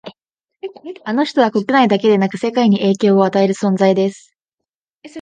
あの人は国内だけでなく世界に影響を与える存在です